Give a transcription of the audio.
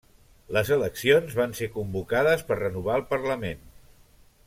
Les eleccions van ser convocades per renovar el parlament.